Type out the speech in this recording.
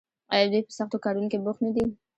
آیا دوی په سختو کارونو کې بوخت نه دي؟